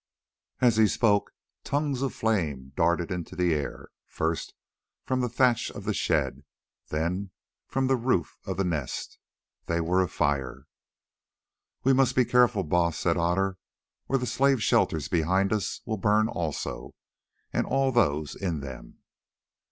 As he spoke tongues of flame darted into the air, first from the thatch of the shed, then from the roof of the Nest. They were afire. "We must be careful, Baas," said Otter, "or the slave shelters behind us will burn also, and all those in them."